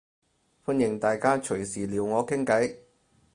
歡迎大家隨時撩我傾計